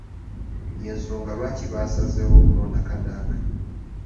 Y’ensonga lwaki baasazeewo okulonda Kadaga.